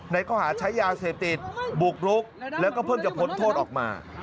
ข้อหาใช้ยาเสพติดบุกรุกแล้วก็เพิ่งจะพ้นโทษออกมา